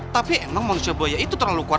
tapi emang manusia bu aya itu terlalu kuat